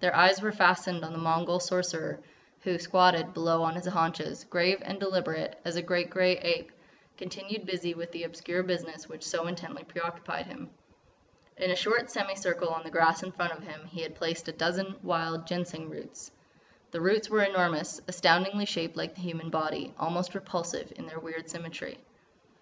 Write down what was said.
Their eyes were fastened on the Mongol Sorcerer, who, squatted below on his haunches, grave and deliberate as a great grey ape, continued busy with the obscure business which so intently preoccupied him. In a short semi circle on the grass in front of him he had placed a dozen wild Ginseng roots. The roots were enormous, astoundingly shaped like the human body, almost repulsive in their weird symmetry.